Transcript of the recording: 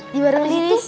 di warung lilis